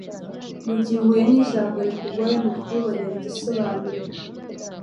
Igihe uhuye n'ijambo rikugoye mu kuribonera igisobanuro,